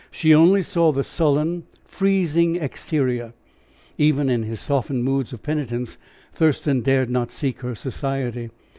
She only saw the sullen, freezing exterior. Even in his softened moods of penitence, Thurston dared not seek her society.